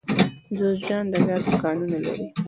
جوزجان د ګازو کانونه لري